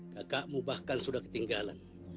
kakakmu bahkan sudah ketinggalan